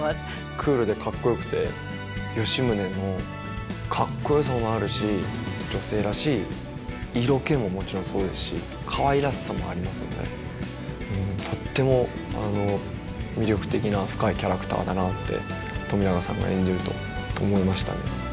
クールでかっこよくて吉宗のかっこよさもあるし女性らしい色気ももちろんそうですしかわいらしさもありますのでとっても魅力的な深いキャラクターだなって冨永さんが演じると思いましたね。